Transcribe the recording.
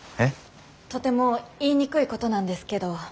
とても言いにくいことなんですけど。